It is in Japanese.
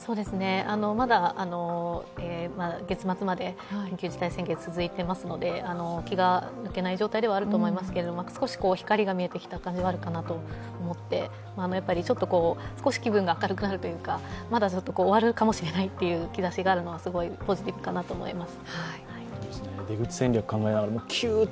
まだ月末まで緊急事態宣言続いていますので気が抜けない状態ではあると思いますけれども少し光が見えてきた感じもあるかなと思って少し気分が明るくなるというか、終わるかもしれないという兆しがあるのはポジティブかなと思います。